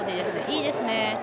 いいですね。